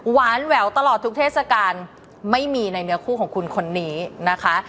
แหวนแหววตลอดทุกเทศกาลไม่มีในเนื้อคู่ของคุณคนนี้นะคะ